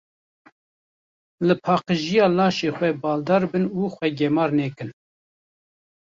Li Paqijiya laşê xwe baldar bin û xwe gemar nekin.